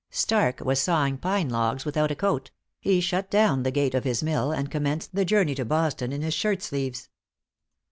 Stark was sawing pine logs without a coat; he shut down the gate of his mill, and commenced the journey to Boston in his shirt sleeves.